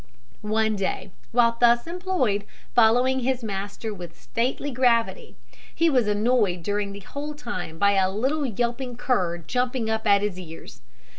One day while thus employed, following his master with stately gravity, he was annoyed during the whole time by a little yelping cur jumping up at his ears.